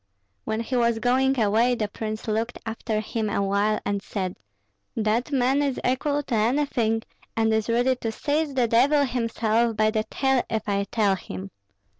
When he was going away the prince looked after him awhile and said, 'That man is equal to anything, and is ready to seize the devil himself by the tail if I tell him!'